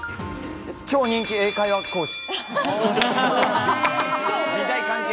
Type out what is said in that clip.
超人気英会話講師。